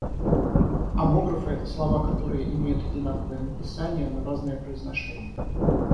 Омографы - это слова, которые имеют одинаковое написание, но разное произношение.